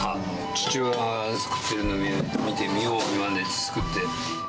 父親が作っているのを見て見よう見まねで作って。